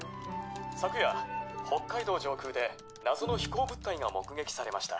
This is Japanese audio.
昨夜北海道上空で謎の飛行物体が目撃されました。